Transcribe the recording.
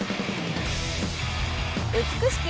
美しき